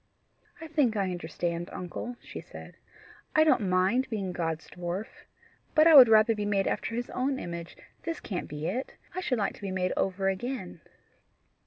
"I think I understand, uncle," she said. "I don't mind being God's dwarf. But I would rather be made after his own image; this can't be it. I should like to be made over again."